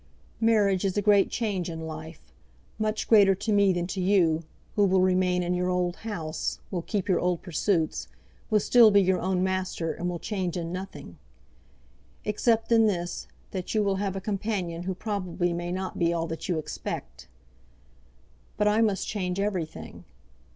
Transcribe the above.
Marriage is a great change in life, much greater to me than to you, who will remain in your old house, will keep your old pursuits, will still be your own master, and will change in nothing, except in this, that you will have a companion who probably may not be all that you expect. But I must change everything.